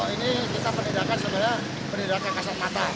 ini kita penindakan sebenarnya penindakan kasat mata